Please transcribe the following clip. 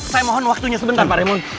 saya mohon waktunya sebentar pak remun